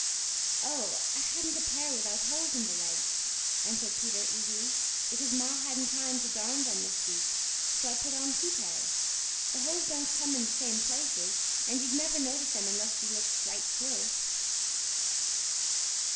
"Oh, I hadn't a pair without holes in the legs," answered Peter easily, "because ma hadn't time to darn them this week. So I put on two pairs. The holes don't come in the same places, and you'd never notice them unless you looked right close."